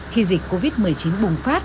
khi dịch covid một mươi chín bùng phát